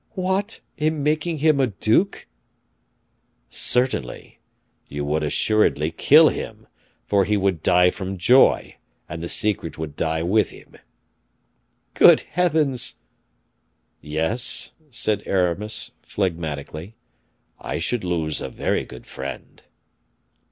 "What! in making him a duke?" "Certainly; you would assuredly kill him, for he would die from joy, and the secret would die with him." "Good heavens!" "Yes," said Aramis, phlegmatically; "I should lose a very good friend."